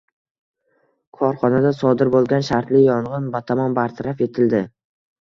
Korxonada sodir bo‘lgan shartli yong‘in batamom bartaraf etildi